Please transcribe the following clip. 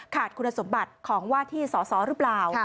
ขาดคุณสมบัติของว่าที่สอสอหรือเปล่า